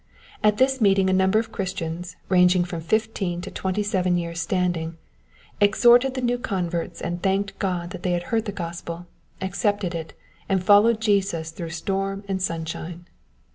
At this meeting a number of Christians, ranging from fifteen to twenty seven years' standing, "exhorted the new converts, and thanked God that they had heard the Gospel, accepted it, and followed Jesus through storm and sunshine."